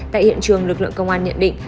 tại hiện trường lực lượng công an nhận định